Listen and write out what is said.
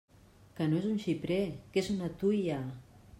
Que no és un xiprer, que és una tuia!